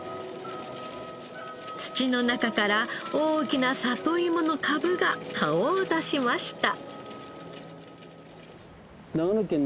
土の中から大きな里いもの株が顔を出しました。